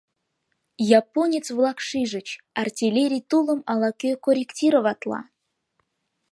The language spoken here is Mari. Японец-влак шижыч: артиллерий тулым ала-кӧ корректироватла.